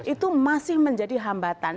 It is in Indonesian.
itu masih menjadi hambatan